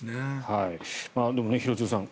でも、廣津留さん